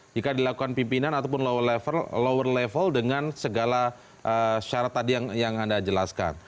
jika dilakukan pimpinan ataupun lower level dengan segala syarat tadi yang anda jelaskan